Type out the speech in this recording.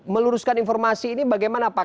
meluruskan informasi ini bagaimana pak